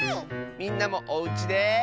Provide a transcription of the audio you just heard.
みんなもおうちで。